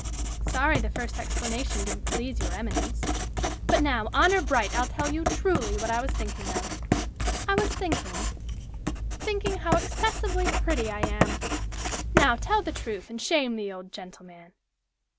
"Sorry the first explanation didn't please your eminence. But now, 'honor bright!' I'll tell you truly what I was thinking of. I was thinking thinking how excessively pretty I am. Now, tell the truth, and shame the old gentleman.